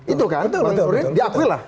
itu kan bang nurdin diakui lah